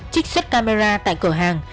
trích xuất camera tại cửa hàng